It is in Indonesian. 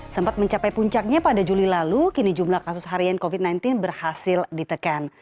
sempat mencapai puncaknya pada juli lalu kini jumlah kasus harian covid sembilan belas berhasil ditekan